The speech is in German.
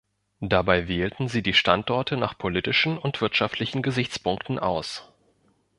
Dabei wählten sie die Standorte nach politischen und wirtschaftlichen Gesichtspunkten aus.